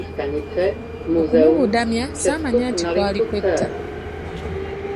Okumubudamya saamanya nti kwali kwetta.